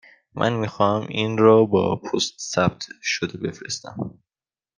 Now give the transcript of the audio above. من می خواهم این را با پست ثبت شده بفرستم.